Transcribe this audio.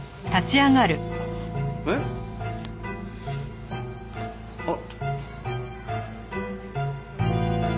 えっ？あっ。